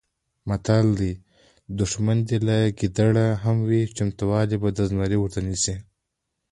متل دی: دوښمن دې که ګیدړ هم وي چمتوالی به د زمري ورته نیسې.